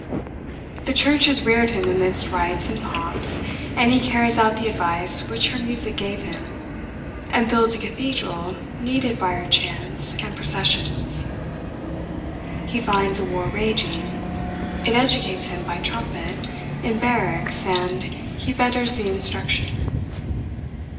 The church has reared him amidst rites and pomps, and he carries out the advice which her music gave him, and builds a cathedral needed by her chants and processions. He finds a war raging: it educates him by trumpet, in barracks, and he betters the instruction.